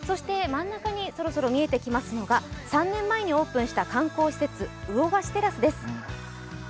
真ん中にそろそろ見えてくるのが３年前にオープンした観光施設、魚河岸テラスです。